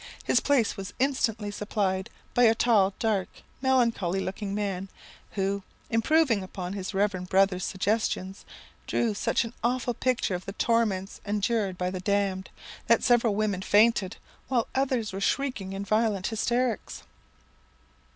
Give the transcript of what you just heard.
His place was instantly supplied by a tall, dark, melancholy looking man, who, improving upon his reverend brother's suggestions, drew such an awful picture of the torments endured by the damned, that several women fainted, while others were shrieking in violent hysterics.